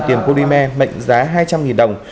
tiền polymer mệnh giá hai trăm linh đồng